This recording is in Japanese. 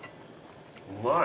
うまい！